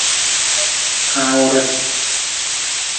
Kaawre.